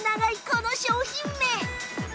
この商品名